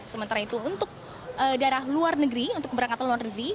sementara itu untuk daerah luar negeri untuk keberangkatan luar negeri